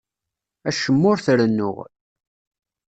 Acemma ur t-rennuɣ.